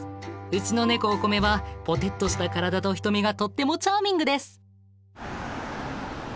うちのネコおこめはぽてっとした体と瞳がとってもチャーミングです。